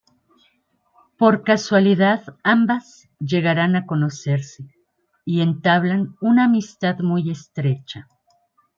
Por casualidad, ambas llegarán a conocerse, y entablan una amistad muy estrecha.